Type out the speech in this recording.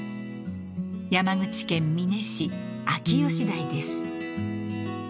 ［山口県美祢市秋吉台です］